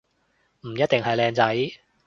唔一定係靚仔